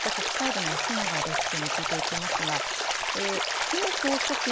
続いて国際部、安永デスクに聞いていきます。